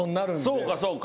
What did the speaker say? そうかそうか。